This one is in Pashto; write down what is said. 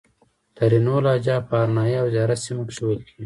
ترینو لهجه په هرنایي او زیارت سیمه کښې ویل کیږي